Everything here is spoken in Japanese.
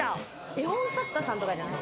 絵本作家さんとかじゃない？